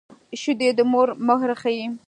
شیدې د مور مهر ښيي